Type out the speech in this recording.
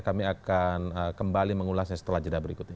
kami akan kembali mengulasnya setelah jeda berikut ini